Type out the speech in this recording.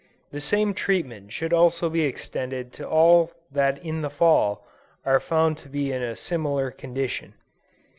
The same treatment should also be extended to all that in the Fall, are found to be in a similar condition.